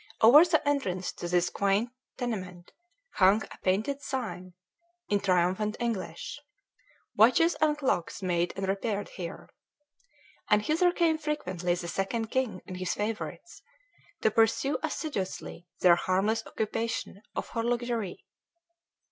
Over the entrance to this quaint tenement hung a painted sign, in triumphant English, "WATCHES AND CLOCKS MADE AND REPAIRED HERE"; and hither came frequently the Second King and his favorites, to pursue assiduously their harmless occupation of horlogerie.